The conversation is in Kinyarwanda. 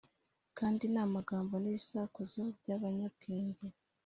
Kandi n’amagambo n’ibisakuzo by’abanyabwenge